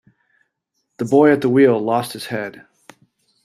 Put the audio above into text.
The boy at the wheel lost his head.